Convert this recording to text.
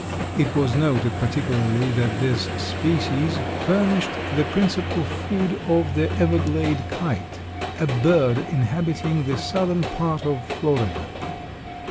It was noted particularly that this species furnished the principal food of the Everglade Kite, a bird inhabiting the southern part of Florida.